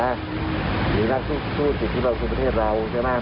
หรือสถานทูตอยู่ที่สุขประเทศเราใช่ไหม